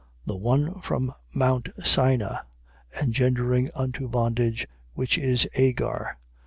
The one from Mount Sina, engendering unto bondage, which is Agar.